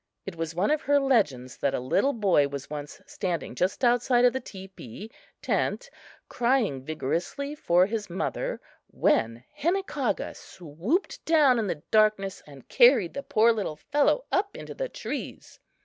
It was one of her legends that a little boy was once standing just outside of the teepee (tent), crying vigorously for his mother, when Hinakaga swooped down in the darkness and carried the poor little fellow up into the trees.